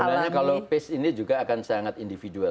ya sebenarnya kalau pacenya ini juga akan sangat individu